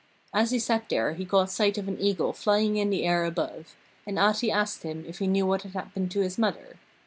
As he sat there he caught sight of an eagle flying in the air above, and Ahti asked him if he knew what had happened to his mother.